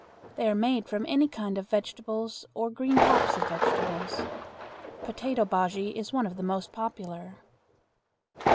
They are made from any kind of vegetables or green tops of vegetables. Potato bujea is one of the most popular.